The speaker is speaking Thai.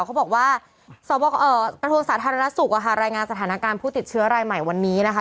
เขาบอกว่ากระทรวงสาธารณสุขรายงานสถานการณ์ผู้ติดเชื้อรายใหม่วันนี้นะคะ